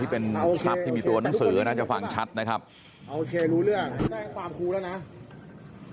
มันเป็นคนสั่งมืออาจารย์เขาสั่งใช่ไหมหรือว่าเขาไม่ได้สั่ง